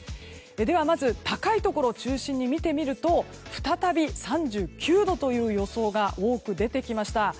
ではまず、高いところを中心に見てみると再び３９度という予想が多く出てきました。